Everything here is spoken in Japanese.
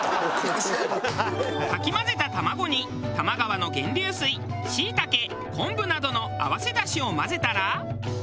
かき混ぜた卵に多摩川の源流水しいたけ昆布などのあわせ出汁を混ぜたら。